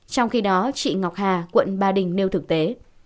trong khi đó chị ngọc hà quận ba đình nêu thực tế